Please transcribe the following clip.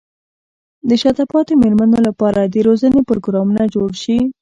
د شاته پاتې مېرمنو لپاره د روزنې پروګرامونه جوړ شي.